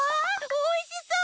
おいしそう！